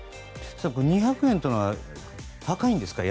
２００円っていうのは高いんですか？